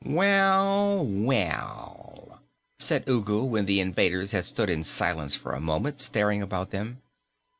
"Well, well," said Ugu when the invaders had stood in silence for a moment, staring about them.